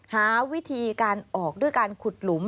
หาวิธีการออกด้วยการขุดหลุม